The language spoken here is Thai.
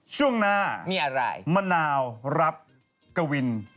ช่วงหน้ามะนาวรับกวิน